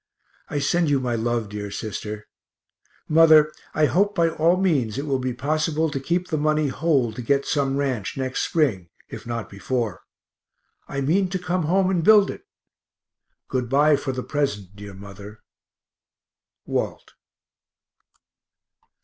I send you my love, dear sister. Mother, I hope by all means it will be possible to keep the money whole to get some ranch next spring, if not before; I mean to come home and build it. Good bye for the present, dear mother. WALT.